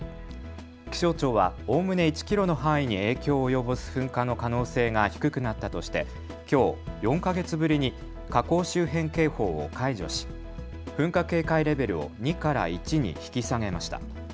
気象庁はおおむね１キロの範囲に影響を及ぼす噴火の可能性が低くなったとして、きょう４か月ぶりに火口周辺警報を解除し噴火警戒レベルを２から１に引き下げました。